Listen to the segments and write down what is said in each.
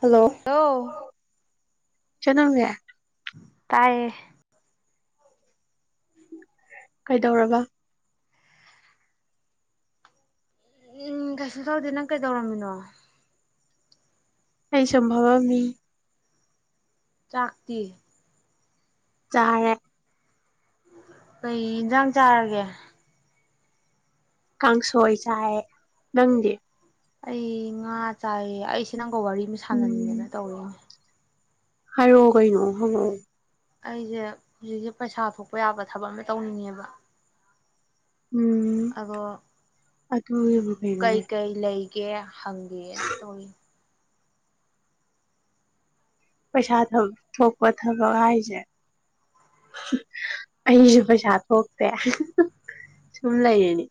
hello ꯂꯣ ꯆꯟꯅꯅꯦ ꯇꯥꯏꯌꯦ ꯀꯩꯗꯧꯔꯕ ꯎꯝ ꯀꯩꯁꯨ ꯇꯧꯗꯦ ꯅꯪ ꯀꯩꯗꯧꯔꯝꯃꯤꯅꯣ ꯑꯩ ꯁꯨꯝ ꯐꯝꯃꯝꯃꯤ ꯆꯥꯛꯇꯤ ꯆꯔꯦ ꯀꯩ ꯏꯟꯖꯥꯡ ꯆꯥꯔꯒꯦ ꯀꯥꯡꯁꯣꯏ ꯆꯥꯏꯑꯦ ꯅꯪꯗꯤ ꯑꯩ ꯉꯥ ꯆꯥꯏ ꯑꯩꯁꯤ ꯅꯪ ꯋꯥꯔꯤ ꯑꯃ ꯁꯥꯟꯅꯅꯤꯡꯗꯅ ꯇꯧꯔꯏꯅꯤ ꯍꯥꯏꯔꯣ ꯀꯩꯅꯣ ꯍꯪꯉꯛꯑꯣ ꯑꯩꯖꯦ ꯍꯧꯖꯤꯛꯖꯦ ꯄꯩꯁꯥ ꯊꯣꯛꯄ ꯌꯥꯕ ꯊꯕꯛ ꯑꯃ ꯇꯧꯅꯤꯡꯉꯦꯕ ꯎꯝ ꯑꯗꯣ ꯎꯝ ꯑꯗꯨꯒꯤꯕꯨ ꯀꯩꯅꯣꯅꯦ ꯀꯩꯀꯩ ꯂꯩ ꯒꯦ ꯍꯪꯒꯦꯅ ꯇꯧꯏꯅꯤ ꯄꯩꯁꯥ ꯊꯣꯛꯄ ꯊꯥꯕꯛ ꯍꯥꯏꯖꯦ ꯑꯩꯖꯨ ꯄꯩꯁꯥ ꯊꯣꯛꯇꯦ ꯁꯨꯝ ꯂꯩꯔꯤꯅꯤ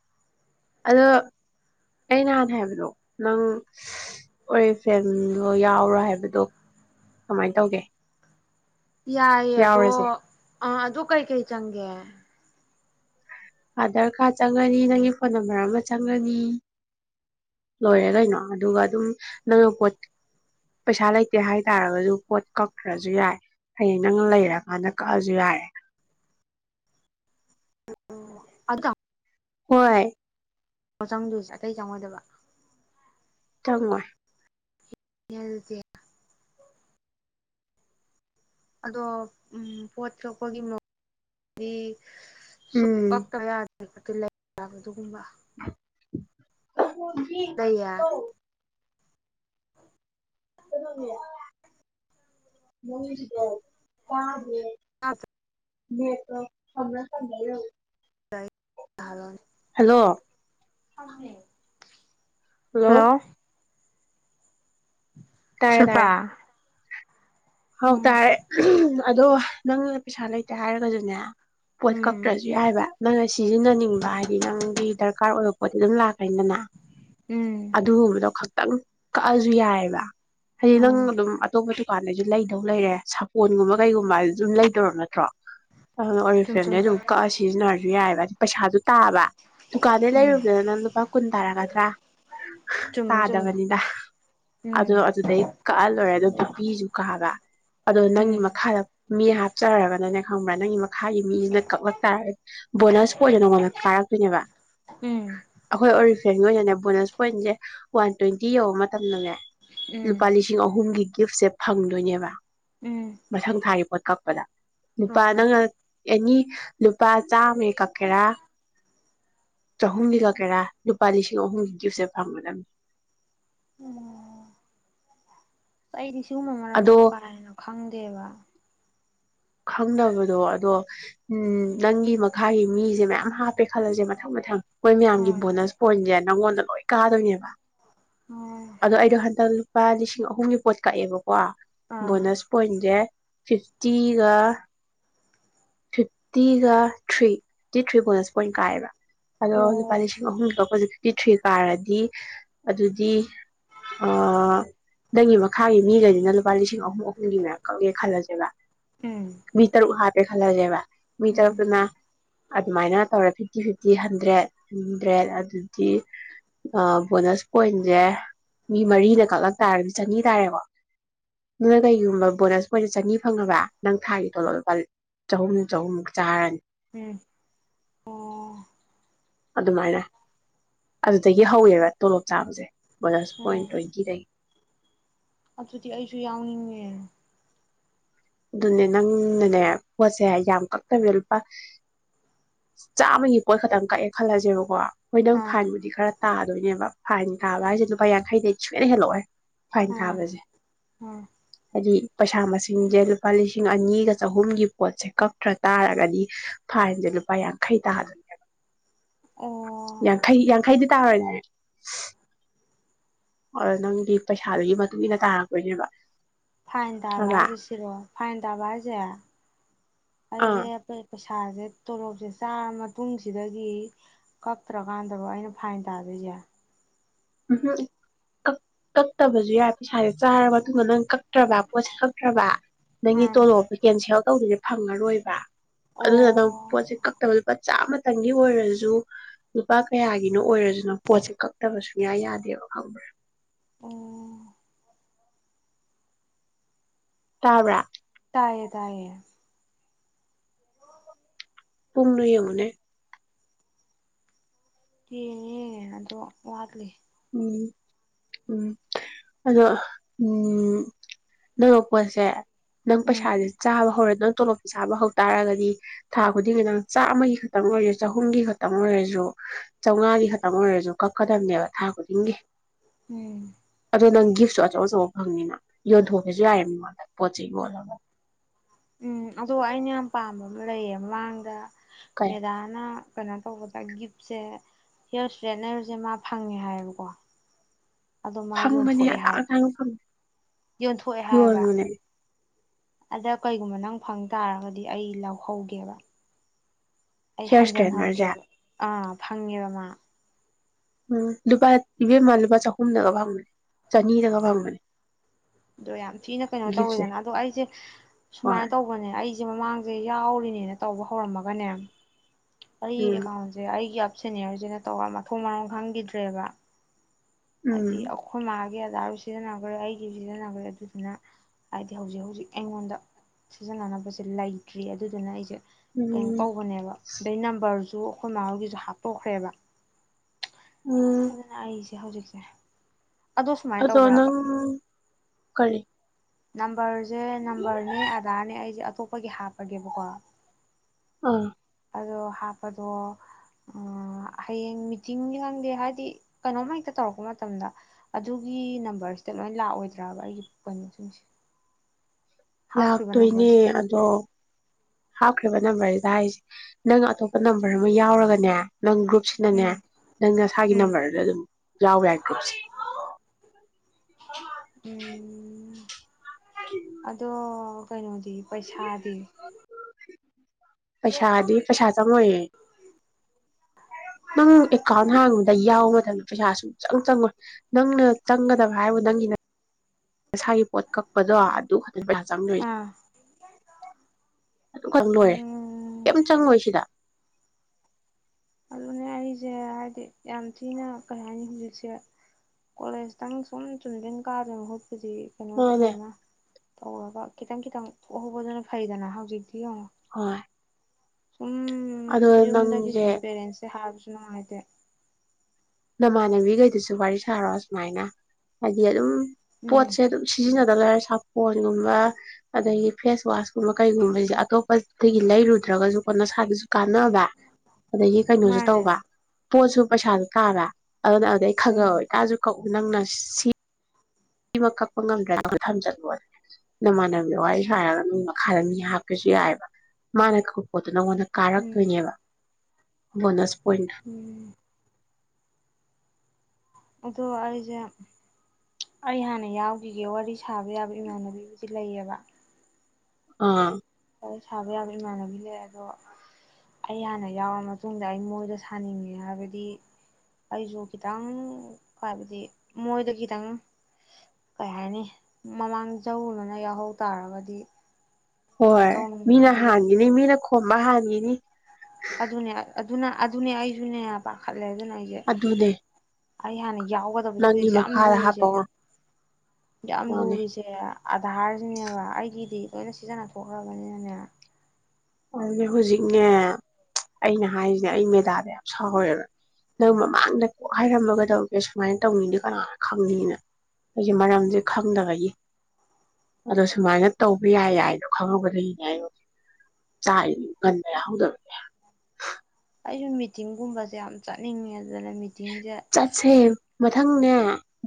ꯑꯗꯣ ꯑꯩ ꯅꯍꯥꯟ ꯍꯥꯏꯕꯗꯣ ꯅꯪ ꯑꯣꯔꯤꯐꯦꯝꯗꯣ ꯌꯥꯎꯔꯣ ꯍꯥꯏꯕꯗꯣ ꯀꯃꯥꯏ ꯇꯧꯒꯦ ꯌꯥꯏ ꯑꯗꯣ ꯌꯥꯎꯔꯁꯦ ꯑ ꯑꯗꯨ ꯀꯩ ꯀꯩ ꯆꯪꯒꯦ ꯑꯙꯔ ꯀꯥꯔꯗ ꯆꯪꯒꯅꯤ ꯅꯪꯒꯤ ꯐꯣꯟ ꯅꯝꯕꯔ ꯑꯃ ꯆꯪꯒꯅꯤ ꯂꯣꯏꯔꯦ ꯀꯩꯅꯣ ꯑꯗꯨꯒ ꯑꯗꯨꯝ ꯅꯪꯅ ꯄꯣꯠ ꯄꯩꯁꯥ ꯂꯩꯇꯦ ꯍꯥꯏꯇꯥꯥꯔꯒꯖꯨ ꯄꯣꯠ ꯀꯛꯈ꯭ꯔꯖꯨ ꯌꯥꯏ ꯍꯌꯦꯡ ꯅꯪꯅ ꯂꯩꯔꯀꯥꯟꯗ ꯀꯛꯑꯖꯨ ꯌꯥꯔꯦ ꯑꯗꯨꯒ ꯍꯣꯏ ꯃꯆꯪꯗꯣꯏꯖꯦ ꯑꯇꯩ ꯆꯪꯉꯣꯏꯗꯕ ꯆꯪꯉꯣꯏ ꯌꯜꯖꯤ ꯑꯗꯣ ꯎꯝ ꯄꯣꯠ ꯀꯛꯄꯒꯤ ꯃꯑꯣꯡꯗꯤ ꯁꯨꯛ ꯎꯝ ꯄꯛꯇꯕꯌꯥ ꯍꯥꯏꯠꯇ ꯂꯩꯕ ꯑꯗꯨꯒꯨꯝꯕ [unintelligible] ꯍꯧꯕꯤ ꯂꯩꯌꯦ ꯑꯣ ꯆꯅ ꯃꯒ ꯀꯥꯗ ꯑꯥ ꯌꯦꯠꯇꯣ ꯍꯝꯅ ꯊ ꯂꯩ ꯊꯔꯅꯤ ꯅ ꯍꯜꯂꯣ ꯆꯨꯔꯄꯄꯥ ꯍꯧ ꯇꯔꯦ ꯑꯗꯣ ꯅꯪꯅ ꯄꯩꯁꯥ ꯂꯩꯇꯦ ꯍꯥꯏꯔꯒꯁꯨꯅꯦ ꯄꯣꯠ ꯎꯝ ꯀꯛꯇ꯭ꯔꯁꯨ ꯌꯥꯏꯑꯕ ꯅꯪꯅ ꯁꯤꯖꯤꯟꯅꯅꯤꯡꯕ ꯍꯥꯏꯗꯤ ꯅꯪꯒꯤ ꯗꯔꯀꯥꯔ ꯑꯣꯏꯕ ꯍꯗꯤ ꯑꯗꯨꯝ ꯂꯥꯛꯈꯅꯤꯅ ꯅꯅꯥ ꯎꯝ ꯑꯗꯨꯒꯨꯝꯕꯗꯣ ꯈ ꯀꯖꯤ ꯌꯥꯑꯕ ꯍꯥꯏꯗꯤ ꯅꯪ ꯎꯝ ꯑꯗꯨꯝ ꯑꯇꯣꯞꯄ ꯄꯔꯅꯦ ꯂꯩ ꯩ ꯂꯩꯔꯦ ꯁꯥꯄꯣꯟꯒꯨꯝꯕ ꯀꯩꯒꯨꯝꯕ ꯑꯗꯨꯝ ꯂꯩꯗꯧ ꯅꯠꯇ꯭ꯔꯣ ꯑ ꯑꯣꯔꯤ ꯆꯨꯝ ꯆꯨꯝ ꯐꯦꯝꯅꯦꯩ ꯑꯗꯨꯝ ꯀꯛꯑ ꯁꯤꯖꯤꯟꯅꯔꯁꯨ ꯌꯥꯏꯑꯕ ꯄꯩꯁꯥꯁꯨ ꯇꯥꯕ ꯗꯨꯀꯥꯟꯗꯩ ꯎꯝ ꯂꯩꯔꯨꯕꯅꯤꯅ ꯅꯪ ꯂꯨꯄꯥ ꯀꯨꯟ ꯇꯥꯔꯛꯒꯗ꯭ꯔꯥ ꯆꯨꯝꯃꯦ ꯆꯨꯝꯃꯦ ꯇꯥꯗꯕꯅꯤꯅ ꯑꯗꯣ ꯎꯝ ꯑꯗꯨꯗꯩ ꯀꯛꯍꯜꯂꯣꯏꯨꯔꯦ ꯑꯗꯣ ꯕꯤꯄꯤꯁꯨ ꯀꯥꯕ ꯑꯗꯣ ꯅꯪꯒꯤ ꯎꯝ ꯃꯈꯥꯗ ꯃꯤ ꯍꯥꯞꯆꯔꯒꯅꯅꯦ ꯈꯪꯕ꯭ꯔꯥ ꯅꯪꯒꯤꯛꯇ ꯍꯥꯏꯒꯤ ꯃꯤꯁꯤꯅ ꯀꯛꯂꯛ ꯇꯥꯔꯒꯗꯤ ꯕꯣꯅꯁꯄꯨ ꯑꯣꯏꯅ ꯅꯉꯣꯟꯗ ꯀꯥꯔꯛꯇꯣꯏꯅꯦꯕ ꯎꯝ ꯑꯩꯈꯣꯏ ꯑꯣꯔꯤꯐꯦꯟꯒꯤ ꯑꯣꯏꯅꯅꯦ ꯕꯣꯅꯁ ꯄꯣꯏꯟꯁꯦ ꯋꯥꯟ ꯇ꯭ꯋꯦꯟꯇꯤ ꯌꯧꯕ ꯃꯇꯝꯗꯅꯦ ꯎꯝ ꯂꯨꯄꯥ ꯂꯤꯁꯤꯡ ꯑꯍꯨꯝꯒꯤ ꯒꯤꯐꯁꯦ ꯐꯪꯗꯣꯏꯅꯦꯕ ꯎꯝ ꯃꯊꯪ ꯊꯥꯒꯤ ꯄꯣꯠꯀꯛ ꯀꯂ ꯅꯨꯄꯥ ꯑꯣ ꯅꯪ ꯑꯦꯅꯤ ꯂꯨꯄꯥ ꯆꯥꯝꯃ ꯀꯛꯀꯦꯔꯥ ꯆꯍꯨꯝꯗꯤ ꯀꯛꯀꯦꯔꯥ ꯂꯨꯄꯥ ꯂꯤꯁꯤꯡ ꯑꯍꯨꯝꯒꯤ ꯀꯞꯁꯦ ꯐꯪꯒꯗꯕꯅꯤ ꯇꯥꯏꯔꯤꯁ ꯁꯤ ꯃ ꯑꯗꯣ ꯃꯔꯝꯁꯨ ꯀꯥꯔꯦꯅ ꯈ ꯐꯪꯗꯦꯕ ꯈꯪꯗꯅꯕꯗꯣ ꯑꯗꯣ ꯎꯝ ꯅꯪꯒꯤ ꯃꯈꯥꯒꯤ ꯃꯤꯁꯦ ꯃꯌꯥꯝ ꯍꯥꯞꯄꯦ ꯈꯜꯂꯁꯦ ꯃꯊꯪ ꯃꯊꯪ ꯑꯈꯣꯏ ꯃꯌꯥꯝꯒꯤ ꯎꯝ ꯕꯣꯅꯁ ꯄꯣꯏꯟꯖꯦ ꯅꯪꯉꯣꯟꯗ ꯂꯣꯏ ꯀꯥꯗꯣꯏꯅꯦꯕ ꯎꯝ ꯑꯗꯣ ꯑꯩꯗꯣ ꯍꯟꯗꯛ ꯂꯨꯄꯥ ꯂꯤꯁꯤꯡ ꯑꯍꯨꯝꯒꯤ ꯄꯣꯠ ꯀꯛꯑꯦꯕ ꯀꯣ ꯑꯥ ꯕꯣꯅꯁ ꯄꯣꯏꯟꯁꯦ ꯐꯤꯐꯇꯤꯒ ꯐꯤꯐꯇꯤꯒ three fifty three bonus point ꯀꯥꯏꯌꯦꯕ ꯑꯗꯣ ꯂꯨꯄꯥ ꯑꯣ ꯂꯤꯁꯤꯡ ꯑꯍꯨꯝ [unintelligible] ꯐꯤꯐꯇꯤ ꯊ꯭ꯔꯤ ꯀꯥꯔꯗꯤ ꯑꯗꯨꯗꯤ ꯑ ꯅꯪꯒꯤ ꯃꯈꯥꯒꯤ ꯃꯤꯒꯩꯁꯤꯅ ꯂꯨꯄꯥ ꯂꯤꯁꯤꯡ ꯑꯍꯨꯝ ꯒꯤꯅꯦ ꯀꯛꯂꯛꯑꯦ ꯈꯜꯂꯁꯦꯕ ꯎꯝ ꯃꯤ ꯇꯔꯨꯛ ꯍꯥꯞ ꯈꯂꯖꯦꯕꯥ ꯃꯤ ꯎꯝ ꯇꯔꯛꯇꯨꯅ ꯑꯗꯨꯃꯥꯏꯅ ꯇꯧꯔ ꯐꯤꯐꯇꯤ ꯐꯤꯐꯇꯤ ꯍꯟꯗ꯭ꯔꯦꯠ ꯍꯟꯗ꯭ꯔꯦꯠ ꯑꯗꯨꯗꯤ ꯕꯣꯅꯁ ꯄꯣꯏꯟꯁꯦ ꯃꯤ ꯃꯔꯤꯅ ꯀꯛꯂꯛ ꯇꯥꯔꯗꯤ ꯆꯅꯤ ꯇꯥꯔꯦꯕ ꯅꯪꯅ ꯀꯩꯒꯨꯝꯕ ꯕꯣꯅꯁ ꯄꯣꯏꯟꯁꯤ ꯆꯅꯤ ꯐꯪꯉꯕ ꯅꯪ ꯊꯥꯒꯤ ꯊꯣꯂꯣꯞ ꯂꯨꯄꯥ ꯆꯍꯨꯝ ꯆꯍꯨꯝꯃꯨꯛ ꯆꯥꯔꯅꯤ ꯎꯝ ꯑꯣ ꯑꯗꯨꯃꯥꯏꯅ ꯑꯗꯨꯗꯒꯤ ꯍꯧꯋꯦꯕ ꯇꯣꯂꯣꯞ ꯆꯥꯕꯁꯦ ꯕꯣꯅꯁ ꯄꯣꯏꯟ ꯑꯣ ꯇꯣꯏꯟꯇꯤꯗꯩ ꯑꯗꯨꯗꯤ ꯑꯩꯁꯨ ꯌꯥꯎꯅꯤꯡꯉꯦ ꯑꯗꯨꯅꯦ ꯅꯪꯅꯅꯦ ꯄꯣꯠꯁꯦ ꯌꯥꯝ ꯀꯛꯇꯕꯤꯗ ꯂꯨꯄꯥ ꯆꯥꯝꯃꯒꯤ ꯄꯣꯠ ꯈꯛꯇꯪ ꯀꯛꯑꯦ ꯈꯜꯂꯁꯦꯕꯀꯣ ꯍꯣꯏ ꯅꯪ ꯑꯥ ꯐꯥꯏꯕꯨꯗꯤ ꯈꯔ ꯇꯥꯗꯣꯏꯅꯦꯕ ꯐꯥꯏꯟ ꯇꯥꯕ ꯍꯥꯏꯁꯦ ꯂꯨꯄꯥ ꯌꯥꯡꯈꯩꯗꯩ ꯁꯨꯡꯍꯦꯟ ꯍꯦꯜꯂꯛꯑꯣꯏ ꯐꯥꯏꯟ ꯑꯥ ꯇꯥꯕꯁꯦ ꯑꯥ ꯍꯥꯏꯗꯤ ꯄꯩꯁꯥ ꯃꯁꯤꯡꯖꯦ ꯂꯨꯄꯥ ꯂꯤꯁꯤꯡ ꯑꯅꯤꯒ ꯆꯍꯨꯝꯒꯤ ꯄꯣꯠꯁꯦ ꯀꯞꯛꯇ꯭ꯔ ꯇꯥꯔꯒꯗꯤ ꯐꯥꯏꯟꯁꯦ ꯂꯨꯄꯥ ꯌꯥꯡꯈꯩ ꯇꯥꯗꯣꯏꯅꯦꯕ ꯑꯣ ꯌꯥꯡꯈꯩ ꯌꯥꯡꯈꯩꯗꯤ ꯇꯥꯔꯣꯏꯅ ꯑꯗ ꯅꯪꯒꯤ ꯄꯩꯁꯥꯗꯨꯒꯤ ꯃꯇꯨꯡ ꯏꯟꯅ ꯇꯥꯔꯛꯇꯣꯏꯅꯦꯕ ꯐꯥꯏꯟꯇꯥꯕ ꯈꯪꯕ꯭ꯔꯥ ꯍꯥꯏꯁꯦ ꯁꯤꯔꯣ ꯐꯥꯏꯟ ꯇꯕ ꯍꯥꯏꯖꯦ ꯑꯥ ꯑꯩꯁꯦ ꯁꯥꯁꯦ ꯇꯣꯂꯣꯞꯁꯦ ꯆꯥꯔ ꯃꯇꯨꯡꯁꯤꯗꯒꯤ ꯀꯛꯇ꯭ꯔꯀꯥꯟꯗꯕ ꯑꯩꯅ ꯐꯥꯏꯟ ꯇꯥꯗꯣꯏꯁꯦ ꯎꯝ ꯀꯛꯇꯕꯁꯨ ꯌꯥꯏ ꯄꯩꯁꯥꯁꯦ ꯆꯥꯔ ꯃꯇꯨꯡꯗ ꯅꯪ ꯀꯛꯇ꯭ꯔꯕ ꯄꯣꯠꯁꯦ ꯀꯛꯇ꯭ꯔꯕ ꯅꯪ ꯑꯥ ꯇꯣꯂꯣꯞ ꯀꯦꯟꯁꯦꯜ ꯇꯧꯔꯤꯁꯦ ꯐꯪꯉꯔꯣꯏꯕ ꯑꯣ ꯑꯗꯨꯅ ꯑꯗꯨꯝ ꯄꯣꯠꯁꯦ ꯀꯛꯇꯕ ꯂꯄꯥꯆꯥꯥ ꯑꯃꯇꯪꯒꯤ ꯑꯣꯏꯔꯁꯨ ꯂꯨꯄꯥ ꯀꯌꯥꯒꯤꯅꯣ ꯑꯣꯏꯔꯁꯨꯅꯣ ꯄꯣꯠꯁꯦ ꯀꯛꯇꯕꯁꯨ ꯌꯥ ꯌꯥꯗꯦꯕ ꯈꯪꯕ꯭ꯔ ꯑꯣ ꯇꯥꯕ꯭ꯔꯥ ꯇꯑꯌꯦ ꯇꯥꯏꯌꯦ ꯄꯨꯡꯅꯨꯏ ꯌꯃꯨꯅꯦ ꯑꯦ ꯑꯗꯣ ꯋꯥꯠꯂꯤ ꯎꯝ ꯎꯝ ꯑꯗꯣ ꯎꯝ ꯂꯧꯔꯛꯄꯣꯁꯦ ꯅꯪ ꯎꯝ ꯄꯩꯁꯥꯁꯦ ꯆꯥꯕ ꯍꯧꯔ ꯅꯪ ꯇꯣꯂꯣꯞꯇꯤ ꯁꯥꯕ ꯍꯧꯇꯥꯥꯔꯒꯗꯤ ꯊꯥ ꯈꯨꯗꯤꯡꯒꯤ ꯅꯪ ꯆꯥꯝꯃ ꯈꯛꯇꯪ ꯑꯣꯏꯔꯁꯨ ꯆꯍꯨꯝꯒꯤ ꯈꯛꯇꯪ ꯑꯣꯏꯔꯁꯨ ꯆꯥꯝꯃꯉꯥꯒꯤ ꯈꯛꯇꯪ ꯑꯣꯏꯔꯁꯨ ꯀꯛꯀꯗꯕꯅꯦꯕ ꯊꯥꯕꯅꯤꯡꯒꯦ ꯎꯝ ꯗꯣ ꯅꯪ ꯒꯤꯐꯁꯨ ꯑꯆꯧ ꯑꯆꯧꯕ ꯐꯪꯅꯤꯅ ꯌꯣꯟꯊꯣꯛꯑꯁꯨ ꯌꯥꯏꯔꯅꯤ ꯃꯥꯣꯟꯗ ꯄꯣꯠ ꯆꯩ ꯌꯣꯜꯂꯒ ꯎꯝ ꯑꯗꯣ ꯑꯩꯅ ꯌꯥꯝ ꯄꯥꯝꯕ ꯑꯃ ꯂꯩꯌꯦ ꯃꯃꯥꯡꯗ ꯀꯩ ꯃꯦꯗꯥꯅ ꯀꯩꯅꯣ ꯇꯧꯕꯗ ꯒꯤꯐꯁꯦ ꯍꯤꯌꯔꯁ ꯔꯦꯠꯅꯔꯁꯦ ꯃꯥ ꯐꯪꯉꯦ ꯍꯥꯏꯌꯦꯕꯀꯣ ꯑꯗꯣ ꯃꯥ ꯐꯪꯕꯅꯦ ꯌꯣꯟꯊꯣꯛꯑꯦ ꯑꯇꯥꯡ ꯍꯥꯏ ꯑꯊꯥꯡꯕ ꯐꯪꯕ ꯌꯣꯟꯊꯣꯛꯑꯦ ꯍꯥꯏꯌꯦꯕ ꯌꯣꯜꯂꯨꯅꯦ ꯑꯗ ꯀꯩꯒꯨꯝꯕ ꯅꯪ ꯐꯪ ꯇꯥꯔꯒꯗꯤ ꯑꯩ ꯂꯧꯍꯧꯒꯦꯕ ꯑꯩ ꯍꯤꯌꯔ ꯏꯁꯇ꯭ꯔꯦꯠꯅꯔꯁꯦ ꯍꯟꯖꯟꯍꯒꯦꯕ ꯑꯥ ꯐꯪꯉꯦꯕ ꯃꯥ ꯎꯝ ꯂꯨꯄꯥ ꯏꯕꯦꯝꯃ ꯂꯨꯄꯥ ꯆꯍꯨꯝꯗꯒ ꯐꯪꯕꯅꯤ ꯆꯅꯤꯗꯒ ꯐꯪꯕꯅꯤ ꯑꯗꯣ ꯌꯥꯝ ꯊꯤꯅ ꯀꯩꯅꯣ ꯇꯧꯋꯦꯗꯅ ꯑꯗꯣ ꯑꯩꯁꯦ ꯁꯨꯃꯥꯏꯅ ꯍꯣꯏ ꯇꯧꯕꯅꯦ ꯑꯩꯁꯦ ꯁꯤꯁꯦ ꯃꯃꯥꯡꯁꯦ ꯌꯥꯎꯔꯤꯅꯦꯅ ꯇꯧꯕ ꯍꯧꯔꯝꯃꯒꯅꯦ ꯑꯩ ꯎꯝ ꯀꯥꯎꯁꯦ ꯑꯩꯒꯤ ꯁꯦꯅꯤꯌꯔꯁꯤꯅ ꯇꯧꯔꯒ ꯃꯊꯣꯡ ꯃꯔꯣꯡ ꯈꯪꯈꯤꯗ꯭ꯔꯦꯕ ꯖꯤ ꯎꯝ ꯑꯣꯈꯣꯏꯝꯒ ꯑꯣꯖꯥꯁꯨ ꯁꯤꯖꯤꯟꯅꯈ꯭ꯔꯦ ꯑꯩꯒꯤꯁꯨ ꯁꯤꯖꯤꯟꯅꯈ꯭ꯔꯦ ꯑꯗꯨꯗꯨꯅ ꯍꯥꯏꯗꯤ ꯍꯧꯖꯤꯛ ꯍꯧꯖꯤꯛ ꯑꯩꯉꯣꯟꯗ ꯁꯤꯖꯤꯟꯅꯅꯕꯁꯦ ꯂꯩꯇ꯭ꯔꯤ ꯑꯗꯨꯗꯨꯅ ꯑꯩꯁꯦ ꯀꯩꯅ ꯎꯝ ꯇꯧꯕꯅꯦꯕ ꯑꯩ ꯅꯝꯕꯔ ꯑꯗꯨꯨ ꯑꯩꯈꯣꯏ ꯅꯍꯔꯒꯤꯁꯨ ꯍꯥꯞꯄꯣꯛꯈ꯭ꯔꯦꯕ ꯎꯝ [unintelligible] ꯍꯧꯖꯤꯛ ꯑꯗꯣꯅꯪ ꯀꯦ ꯅꯝꯕꯔꯁꯦ ꯅꯝꯕꯔꯅꯦ ꯑꯙꯔꯅꯦ ꯑꯩꯁꯦ ꯑꯇꯣꯞꯄꯒꯤ ꯍꯥꯞꯄꯒꯦꯕꯀꯣ ꯑꯥ ꯑꯗꯣ ꯍꯥꯞꯄꯗꯣ ꯍꯌꯦꯡ ꯃꯤꯇꯤꯡꯗꯤ ꯈꯪꯗꯦ ꯍꯥꯏꯗꯤ ꯀꯩꯅꯣꯝꯃ ꯍꯦꯛꯇ ꯇꯧꯔꯛꯄ ꯃꯇꯝꯗ ꯑꯗꯨꯒꯤ ꯅꯝꯕꯔꯁꯤꯗ ꯂꯣꯏ ꯂꯥꯛꯑꯣꯏꯗ꯭ꯔꯕ ꯑꯩꯒꯤ ꯀꯩꯅꯣꯁꯤꯡꯁꯦ ꯍꯥꯞꯈ꯭ꯔꯤꯕ ꯂꯥꯛꯇꯣꯏꯅꯦ ꯅꯝꯕꯔꯁꯤꯗ ꯑꯗꯣ ꯍꯥꯞꯈ꯭ꯔꯤꯕ ꯅꯝꯕꯔꯁꯤꯗ ꯍꯥꯏꯔꯤꯁꯦ ꯅꯪ ꯑꯇꯣꯞꯄ ꯅꯝꯕꯔ ꯑꯃ ꯌꯥꯎꯔꯒꯅꯦ ꯅꯪ ꯒ꯭ꯔꯨꯞꯁꯤꯅꯅꯦ ꯎꯝ ꯅꯪ ꯅꯁꯥꯒꯤ ꯎꯝ ꯅꯝꯕꯔꯗ ꯑꯗꯨꯝ ꯌꯥꯎꯋꯦꯏ ꯒ꯭ꯔꯨꯞꯁꯦ [unintelligible] ꯎꯝ ꯑꯗꯣ ꯀꯩꯅꯣꯖꯤ ꯄꯩꯁꯥꯕꯤꯗꯤ ꯄꯩꯁꯥꯗꯤ ꯄꯩꯁꯥ ꯆꯪꯉꯣꯏꯌꯦ ꯅꯪ ꯑꯦꯀꯥꯎꯟ ꯍꯥꯡꯕꯗ ꯌꯥꯎꯕ ꯃꯇꯝꯗ ꯄꯩꯁꯥ ꯁꯨꯡꯆꯪ ꯆꯪꯉꯣꯏ ꯅꯪꯅ ꯆꯪꯒꯗꯕ ꯍꯥꯏꯕꯨ ꯅꯪꯒꯤꯅ ꯅꯁꯥꯒꯤ ꯄꯣꯠ ꯀꯛꯄꯗꯣ ꯑꯗꯨ ꯆ ꯑꯥ ꯑꯗꯨꯈꯛ ꯂꯣꯏꯔꯦ ꯎꯝ ꯀ ꯆꯪꯉꯣꯏ ꯁꯤꯗ ꯑꯗꯨꯅꯦ ꯑꯩꯁꯦ ꯍꯥꯏꯕꯗꯤ ꯌꯥꯝ ꯊꯤꯅ ꯀꯩ ꯍꯥꯏꯅꯤ ꯍꯧꯖꯤꯛꯁꯦ ꯀꯣꯂꯦꯖꯇꯪ ꯁꯨꯝ ꯆꯨꯝꯖꯤꯟ ꯀꯥꯗ꯭ꯔꯤ ꯃꯍꯨꯠ ꯑꯗꯨꯗꯤ ꯀꯩꯅꯣ ꯃꯥꯅꯦ ꯀꯩꯅꯣꯃ ꯇꯧꯔꯒ ꯈꯤꯇꯪ ꯈꯤꯇꯪ ꯎꯍꯧꯕꯗꯨꯅ ꯐꯩꯗꯅ ꯍꯧꯖꯤꯛꯇꯤ ꯑꯃ ꯍꯣꯏ ꯑꯗ ꯅꯪꯦ ꯃꯁꯦ ꯍꯥꯏꯁꯅ ꯍꯥꯏꯇꯦ ꯅꯃꯥꯟꯅꯕꯤꯈꯩꯗꯨꯁꯨ ꯋꯥꯔꯤ ꯁꯥꯔꯣ ꯁꯨꯃꯥꯏꯅ ꯍꯥꯏꯗꯤ ꯑꯗꯨꯝ ꯎꯝ ꯄꯣꯠꯁꯦ ꯑꯗꯨ ꯁꯤꯖꯤꯅ ꯀꯂꯔ ꯁꯥꯄꯣꯟꯒꯨꯝꯕ ꯑꯗꯒꯤ ꯐꯦꯁ ꯋꯥꯁꯀꯨꯝꯕ ꯀꯩꯒꯨꯝꯕꯁꯦ ꯑꯇꯣꯞꯄꯗꯒꯤ ꯂꯩꯔꯨꯗ꯭ꯔꯒꯁꯨꯀꯣ ꯅꯁꯥꯗꯁꯨ ꯀꯥꯟꯅꯕ ꯑꯗꯒꯤ ꯀꯩꯅꯣꯁꯨ ꯃꯥꯅꯦ ꯇꯧꯕ ꯄꯣꯆꯕꯁꯥꯟꯗ ꯀꯥꯗ ꯑꯗꯨꯅ ꯑꯗꯨꯗꯩ ꯎꯝ ꯈꯪꯉꯛꯑꯣꯦ ꯀꯀꯥꯁꯨ ꯀꯧ ꯅꯪꯅ ꯁꯤ ꯃꯤꯃꯛ ꯀꯛꯄ ꯉꯝꯗ꯭ꯔꯅ ꯑꯃ ꯊꯝꯖꯜꯂꯣꯦ ꯅꯃꯥꯟꯅꯒꯤ ꯋꯥꯔꯤ ꯁꯥꯔꯒ ꯃꯤ ꯃꯈꯥꯗ ꯃꯤ ꯍꯥꯞꯄꯁꯨ ꯌꯥꯏꯑꯕ ꯃꯥꯅ ꯀꯛꯄ ꯑꯗꯨ ꯅꯪꯉꯣꯟꯗ ꯎꯝ ꯀꯥꯔꯛꯇꯣꯏꯅꯦꯕ ꯕꯅꯁ ꯎꯝ ꯑꯗꯣ ꯑꯩꯁꯦ ꯑꯩ ꯍꯥꯟꯅ ꯌꯥꯎꯈꯤꯒꯦ ꯋꯥꯔꯤ ꯁꯥꯕ ꯌꯥꯕ ꯏꯃꯥꯟꯅꯕꯤꯕꯨꯗꯤ ꯂꯩꯌꯦꯕ ꯑꯥ ꯋꯥꯔꯤ ꯁꯥꯕ ꯌꯥꯕ ꯏꯃꯥꯟꯅꯕꯤ ꯂꯩ ꯑꯗꯣ ꯑꯩ ꯍꯥꯟꯅ ꯌꯥꯎꯔ ꯃꯇꯨꯡꯗ ꯑꯩ ꯃꯣꯏꯗ ꯁꯥꯅꯤꯡꯉꯦ ꯍꯥꯏꯕꯗꯤ ꯑꯩꯁꯨ ꯈꯤꯇꯪ ꯍꯥꯏ ꯍꯥꯏꯕꯗꯤ ꯃꯣꯏꯗ ꯈꯤꯇꯪ ꯀꯩ ꯍꯥꯏꯅꯤ ꯃꯃꯥꯡꯖꯨꯅꯅ ꯌꯥꯎꯍꯧ ꯇꯥꯔꯒꯗꯤ ꯑꯗꯨ ꯍꯣꯏ ꯇꯧꯅꯤꯡꯉꯦ ꯃꯤꯅ ꯑꯗꯨꯅ ꯍꯥꯡꯉꯤꯅꯤ ꯃꯤꯅ ꯈꯣ ꯃꯥ ꯍꯥꯔꯤꯅꯤ ꯑꯗꯨꯅꯦ ꯑꯗꯨꯅ ꯑꯗꯨꯅꯦ ꯑꯩꯁꯨꯅꯦ ꯄꯥ ꯈꯜꯂ ꯂꯩ ꯑꯗꯨꯅ ꯑꯩꯒꯦ ꯑꯗꯨꯅꯦ ꯑꯩ ꯍꯥꯟꯅꯒꯤ ꯌꯥꯎꯒꯗꯕꯁꯦ ꯅꯪꯒꯤ ꯍꯧꯖꯤꯛꯁꯦ ꯌꯥꯝ ꯃꯈꯥꯗ ꯂꯨꯔꯤꯁꯦ ꯍꯥꯞꯄꯧꯔꯣ ꯌꯥꯝ ꯃꯥꯅꯦ ꯂꯨꯔꯤꯁꯦ ꯑꯙꯥꯔꯁꯤꯅꯦꯕ ꯑꯩꯒꯤꯗꯤ ꯂꯣꯏꯅ ꯁꯤꯖꯟꯅꯊꯈ꯭ꯔꯕꯅꯤꯅꯅꯦ ꯑꯗꯨꯅꯦ ꯍꯧꯖꯤꯛꯅꯦ ꯑꯩꯅ ꯍꯥꯏꯔꯤꯁꯤꯅꯦ ꯑꯩ ꯃꯦꯗꯥꯗ ꯌꯥꯝ ꯁꯥꯎꯋꯦꯕ ꯅꯪ ꯃꯃꯥꯡꯗ ꯀꯣꯛ ꯍꯥꯏꯔꯝꯃꯒꯗꯧꯒꯦ ꯁꯨꯃꯥꯏꯅ ꯇꯧꯅꯤꯗ ꯀꯅꯥ ꯈꯪꯅꯤꯅ ꯑꯩꯁꯦ ꯃꯔꯝꯁꯦ ꯈꯪꯗꯕꯒꯤ ꯑꯗꯣ ꯁꯨꯃꯥꯏꯅ ꯇꯧꯕ ꯌꯥꯏ ꯌꯥꯏꯗꯣ ꯈꯪꯉꯕꯗꯒꯤꯅꯦ ꯑꯩ ꯍꯧꯖꯤꯛ ꯆꯥꯏ ꯀꯟꯌꯥ ꯍꯗꯦ ꯑꯩꯁꯨ ꯃꯤꯇꯤꯡꯒꯨꯝꯕꯁꯦ ꯌꯥꯝ ꯆꯠꯅꯤꯡꯉꯦ ꯑꯗꯨ ꯃꯤꯇꯤꯡꯁꯦ ꯆꯠꯁꯦ ꯃꯊꯪꯅꯦ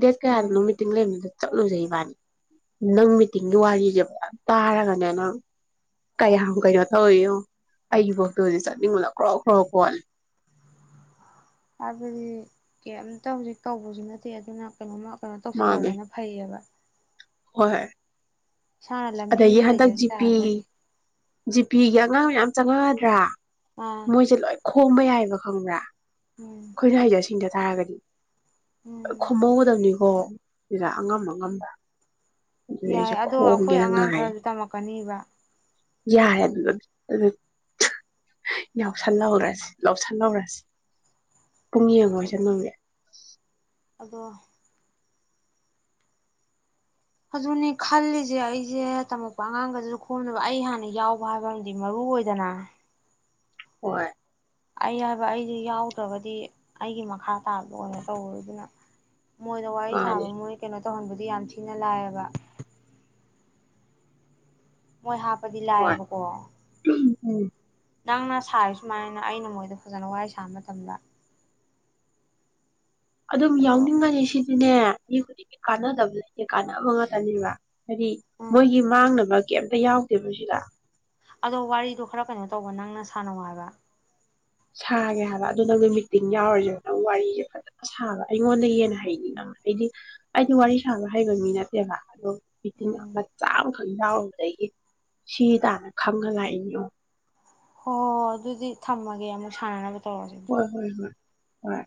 ꯗꯦ ꯀꯦ ꯎꯝ ꯍꯥꯏꯦꯜꯅꯣ ꯃꯤꯇꯤꯡ ꯂꯩꯗ ꯆꯠꯂꯨꯖꯩ ꯏꯕꯥꯅꯤ ꯅꯪ ꯃꯤꯇꯤꯡꯒꯤ ꯋꯥꯔꯤꯁꯦ ꯄꯨ ꯇꯥꯔꯒꯅꯦ ꯅꯪ ꯀꯌꯥꯝ ꯀꯩꯅꯣ ꯇꯧꯔꯤꯅꯣ ꯑꯩꯒꯤꯕꯣꯛꯇꯨꯗꯤ ꯆꯠꯅꯤꯡꯉꯣꯂ ꯀ꯭ꯔꯣ ꯀ꯭ꯔꯣ ꯀꯣꯜꯂꯤ ꯍꯥꯏꯕꯗꯤ ꯀꯩꯝꯇ ꯍꯧꯖꯤꯛ ꯇꯧꯕꯁꯨ ꯅꯠꯇꯦ ꯑꯗꯨꯅ ꯀꯩꯅꯣꯝꯃ ꯀꯩꯅꯣ ꯃꯥꯅꯦ ꯇꯧꯁꯤꯜꯍꯧꯕꯅ ꯐꯩꯌꯦꯕ ꯍꯣꯏ ꯁꯥꯥꯟꯅ ꯂꯝꯕꯤ ꯑꯃ ꯂꯩꯖꯈꯤ ꯇꯥꯔꯒꯗꯤ ꯖꯤꯄꯤꯤꯒꯤ ꯑꯉꯥꯡ ꯃꯌꯥꯝ ꯆꯪꯉꯛꯒꯗ꯭ꯔꯥ ꯑꯥ ꯃꯣꯏꯖ ꯂꯣꯏ ꯈ ꯍꯣꯡꯕ ꯌꯥꯏꯕ ꯈꯪꯕ꯭ꯔꯥ ꯎꯝ ꯑꯩꯈꯣꯏꯅ ꯍꯥꯏꯖꯁꯤꯗ ꯇꯥꯒꯔꯤ ꯎꯝ ꯈꯨꯝꯍꯧꯒꯗꯕꯅꯤꯀꯣ ꯏꯔꯥ ꯑꯉꯝ ꯑꯉꯝꯕ ꯑꯗꯨꯗꯤ ꯌꯥꯏ ꯑꯩꯁꯨ ꯑꯗꯣ ꯑꯩꯈꯣꯏ ꯈꯣꯝꯒꯦꯅ ꯑꯉꯥꯡ ꯈꯔꯁꯨ ꯇꯝꯃꯛꯀꯅꯦꯕ ꯌꯥꯏ ꯑꯗꯨ ꯑꯗꯨ ꯌꯥꯎꯁꯥꯟ ꯂꯧꯧꯔꯁꯤꯦ ꯂꯧꯎꯁꯥꯟꯅꯕꯧꯔꯁꯤꯦ ꯄꯨꯡ ꯌꯦꯡ ꯑꯃ ꯑꯣꯏꯁ ꯃꯪꯗꯦ ꯑꯗꯣ ꯑꯗꯨꯅꯦ ꯈꯜꯂꯤꯁꯦ ꯑꯩꯁꯦ ꯇꯝꯃꯛꯄ ꯑꯉꯥꯡꯒꯗꯨꯁꯨ ꯈꯣꯡꯝꯗꯕ ꯑꯩ ꯍꯥꯟꯅ ꯌꯥꯎꯕ ꯍꯥꯏꯕꯝ ꯃꯔꯨ ꯑꯣꯏꯗꯅ ꯍ ꯑꯩ ꯍꯥꯏꯕ ꯑꯩꯁ ꯌꯥꯎꯗ꯭ꯔꯒꯗꯤ ꯑꯩꯒꯤ ꯃꯈꯥ ꯇꯥꯕ ꯑꯣꯏꯅ ꯇꯧꯋꯦ ꯑꯗꯨꯅ ꯃꯣꯏꯗ ꯋꯥꯔꯤ ꯁꯥꯕ ꯃꯥꯅꯦ ꯃꯣꯏ ꯀꯩꯅꯣ ꯇꯧꯍꯟꯕꯗꯤ ꯌꯥꯝ ꯊꯤꯅ ꯂꯥꯏꯑꯕ ꯃꯣꯏ ꯍꯥꯞ ꯀꯗꯤ ꯍꯣꯏ ꯂꯥꯛꯑꯦꯕꯀꯣ ꯎꯝ ꯅꯪꯅ ꯁꯥꯔꯤ ꯁꯨꯃꯥꯏꯅ ꯑꯩꯅ ꯃꯣꯏꯗ ꯐꯖꯅ ꯋꯥꯔꯤ ꯁꯥꯕ ꯃꯇꯝꯗ ꯑꯗꯨꯝ ꯑꯗꯣ ꯌꯥꯎꯅꯤꯡꯉꯅꯤ ꯁꯤ ꯁꯤꯅꯦ ꯃꯤ ꯈꯨꯗꯤꯡꯒꯤ ꯀꯥꯟꯅꯗꯕꯗꯦ ꯀꯥꯟꯅꯕ ꯉꯥꯛꯇꯅꯦꯕ ꯍꯥꯏꯗꯤ ꯎꯝ ꯃꯣꯏꯒꯤ ꯃꯥꯡꯅꯕ ꯀꯦꯝꯇ ꯑꯝꯇ ꯌꯥꯎꯗꯦꯕ ꯁꯤꯔ ꯑꯗꯣ ꯋꯥꯔꯤꯗꯨ ꯈꯔ ꯀꯩꯅ ꯇꯧꯕ ꯅꯪꯅ ꯁꯥꯟꯅꯧ ꯍꯥꯏꯕ ꯁꯥꯒꯦ ꯍꯥꯏꯕ ꯑꯗꯨꯣ ꯅꯪꯁꯨ ꯃꯤꯇꯤꯡ ꯌꯥꯎꯔꯨꯁꯦꯕ ꯅꯪ ꯋꯥꯔꯤꯁꯦ ꯐꯖꯅ ꯁꯥꯕ ꯑꯩꯉꯣꯟꯗꯩ ꯍꯦꯟꯅ ꯍꯩꯅꯤ ꯑꯩꯗꯤ ꯋꯥꯔꯤ ꯁꯥꯕ ꯍꯩꯕ ꯃꯤ ꯅꯠꯇꯦꯕ ꯑꯗꯣ ꯃꯤꯇꯤꯡ ꯎꯝ ꯃꯆꯥ ꯑꯃꯈꯛ ꯌꯥꯎꯔꯨꯕꯗꯒꯤ ꯁꯤ ꯇꯥꯟꯅ ꯈꯪꯉ ꯂꯥꯛꯏꯅꯤ ꯌꯦꯡꯉꯣ ꯍꯣ ꯑꯗꯨꯗꯤ ꯊꯝꯃꯒꯦ ꯑꯃꯨꯛ ꯁꯥꯟꯅꯅꯕ ꯇꯧꯔꯁꯦ ꯍꯣꯏ ꯍꯣꯏ ꯍꯣꯏ ꯍꯣꯏ